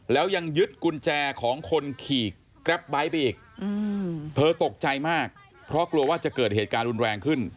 แล้วยังยึดกุญแจของคนขี่แกรปไบท์ไปอีกเธอตกใจมากเพราะกลัวว่าจะเกิดเหตุการณ์รุนแรงขึ้น